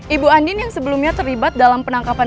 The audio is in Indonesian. ibu andin yang sebelumnya terlibat dalam penangkapan